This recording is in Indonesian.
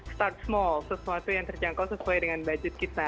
start small sesuatu yang terjangkau sesuai dengan budget kita